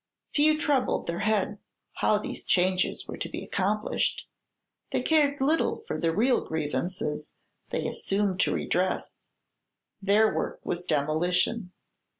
Few troubled their heads how these changes were to be accomplished; they cared little for the real grievances they assumed to redress: their work was demolition.